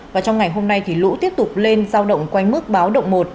và trong ngày hôm nay thì lũ tiếp tục lên giao động quanh mức báo động một